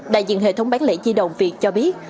đại diện hệ thống bán lễ di đồng việt cho biết